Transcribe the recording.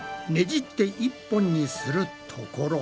じって一本にするところ。